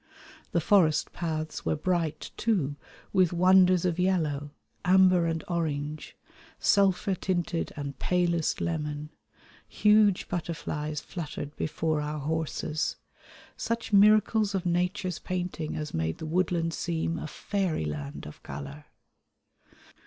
The forest paths were bright, too, with wonders of yellow; amber and orange, sulphur tinted and palest lemon, huge butterflies fluttered before our horses, such miracles of Nature's painting as made the woodland seem a fairyland of colour.